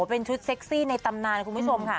เป็นชุดเซ็กซี่ในตำนานคุณผู้ชมค่ะ